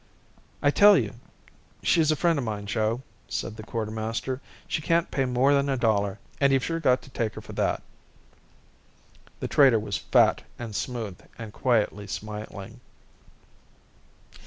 "I tell you she's a friend of mine, Jo," said the quartermaster. "She can't pay more than a dollar, and you've sure got to take her for that." The trader was fat and smooth and quietly smiling.